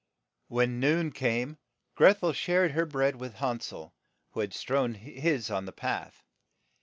When noon came, Greth el shared her bread with Han sel, who had strewn all his on the path.